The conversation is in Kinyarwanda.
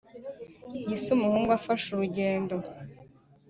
gisa umuhungu afashe urugendo